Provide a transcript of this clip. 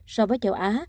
so với châu á